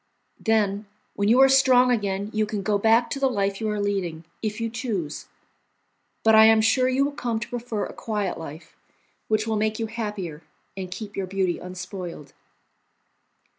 Then, when you are strong again, you can go back to the life you are leading, if you choose; but I am sure you will come to prefer a quiet life, which will make you happier and keep your beauty unspoiled."